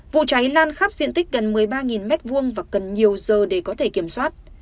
vụ cháy lan khắp diện tích gần một mươi ba m hai và cần nhiều giờ để có thể kiểm soát